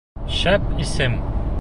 — Шәп исем.